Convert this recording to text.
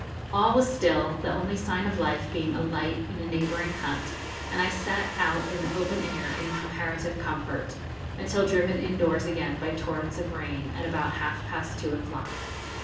All was still, the only sign of life being a light in a neighbouring hut, and I sat out in the open air in comparative comfort, until driven indoors again by torrents of rain, at about half past two o'clock.